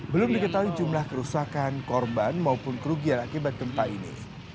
belum diketahui jumlah kerusakan korban maupun kerugian akibat gempa ini